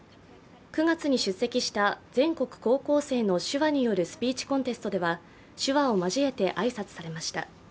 ９月に出席した全国高校生の手話によるスピーチコンテストでは手話を交えて挨拶されました。